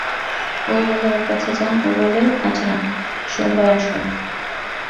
এ বলে ওর কাছে যান, ও বলে আজ না, সোমবারে আসুন।